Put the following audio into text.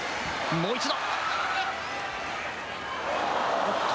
もう一度。